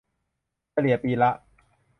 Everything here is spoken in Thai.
เฉลี่ยปีละ